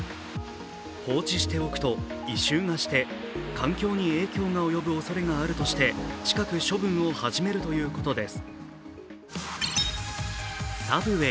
放置しておくと、異臭がして環境に影響が及ぶおそれがあるとして近く処分を始めるということです。